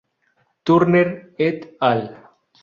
Turner "et al.